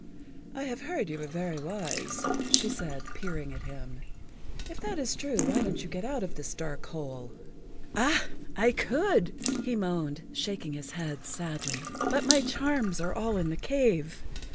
"I have heard that you were very wise," she said, peering at him. "If that is true, why don't you get out of this dark hole?" "Ah, I could," he moaned, shaking his head sadly, "but my charms are all in the cave.